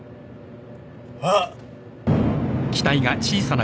あっ！